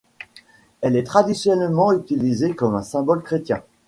Elle est traditionnellement utilisée comme un symbole chrétien.